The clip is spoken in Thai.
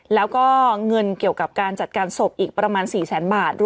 แล้วก็เงินเกี่ยวกับการจัดการศพอีกประมาณ๔แสนบาท